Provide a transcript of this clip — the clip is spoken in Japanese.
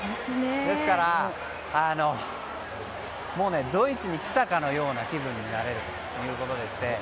ですからドイツに来たかのような気分になれるということでして。